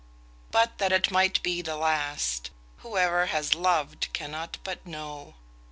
But that it might be the last, whoever has loved cannot but know.